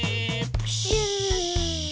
プシュー。